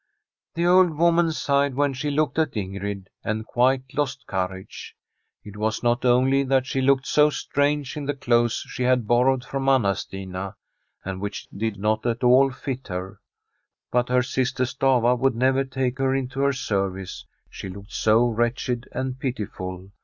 The old woman sighed when she looked at Ingrid, and quite lost courage. It was not only that she looked so strange in the clothes she had borrowed from Anna Stina, and which did not at all fit her, but her sister Stafva would never take her into her service, she looked so wretched and pitiful.